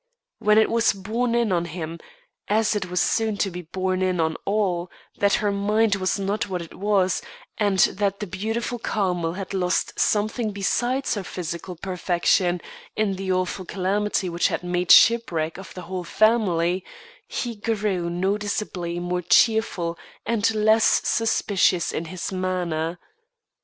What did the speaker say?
When it was borne in on him, as it was soon to be borne in on all, that her mind was not what it was, and that the beautiful Carmel had lost something besides her physical perfection in the awful calamity which had made shipwreck of the whole family, he grew noticeably more cheerful and less suspicious in his manner.